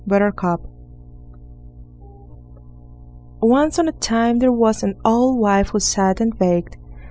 BUTTERCUP Once on a time there was an old wife who sat and baked.